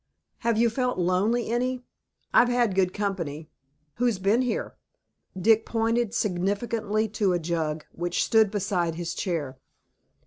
"Have you felt lonely any?" "I've had good company." "Who's been here?" Dick pointed significantly to a jug, which stood beside his chair.